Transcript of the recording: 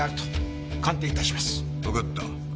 わかった。